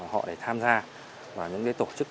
họ để tham gia vào những tổ chức